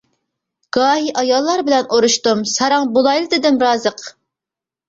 گاھى ئاياللار بىلەن ئۇرۇشتۇم، ساراڭ بولايلا دېدىم رازىق.